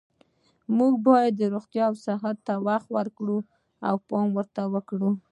موږ باید روغتیا او صحت ته وخت ورکړو او پام ورته کړو